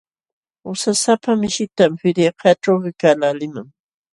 Usasapa mishitam feriakaqćhu quykaqlaaliman.